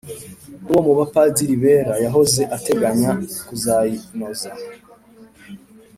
nuwo mu Bapadiri Bera yahoze ateganya kuzayinoza